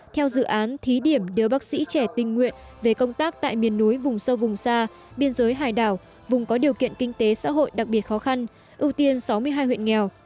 theo dự án thí điểm đưa bác sĩ trẻ tình nguyện về công tác tại miền núi vùng sâu vùng xa biên giới hải đảo vùng có điều kiện kinh tế xã hội đặc biệt khó khăn ưu tiên sáu mươi hai huyện nghèo